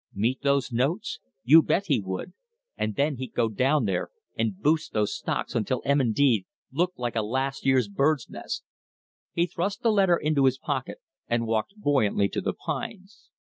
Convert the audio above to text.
Meet those notes? You bet he would; and then he'd go down there and boost those stocks until M. & D. looked like a last year's bird's nest. He thrust the letter in his pocket and walked buoyantly to the pines.